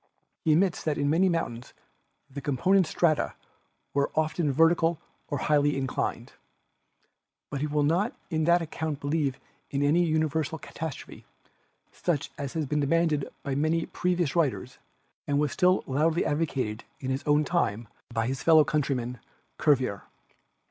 He admits that in many mountains the component strata are often vertical or highly inclined. But he will not on that account believe in any universal catastrophe, such as had been demanded by many previous writers and was still loudly advocated in his own time by his fellow country man, Cuvier.